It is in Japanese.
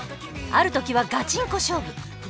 ある時はガチンコ勝負。